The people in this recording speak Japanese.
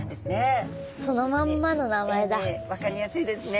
英名分かりやすいですね。